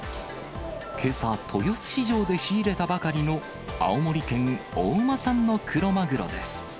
けさ、豊洲市場で仕入れたばかりの青森県大間産のクロマグロです。